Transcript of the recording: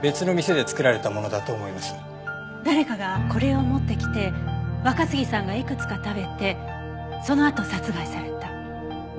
誰かがこれを持ってきて若杉さんがいくつか食べてそのあと殺害された。